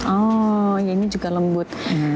oh ya ini juga lembut